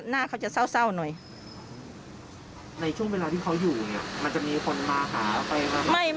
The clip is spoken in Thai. ในช่วงเวลาที่เค้าอยู่มันจะมีคนมาหาไปหรือ